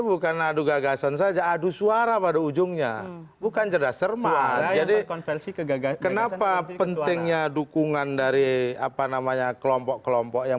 bukan cedas cermat jadi kenapa pentingnya dukungan dari apa namanya kelompok kelompok yang